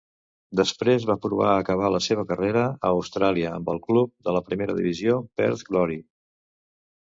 Després va provar a acabar la seva carrera a Austràlia amb el club de la primera divisió Perth Glory.